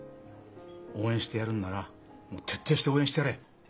応援してやるんならもう徹底して応援してやれ。